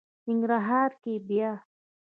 ننګرهار کې بیا...